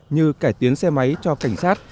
như cải tiến xe máy cho cảnh sát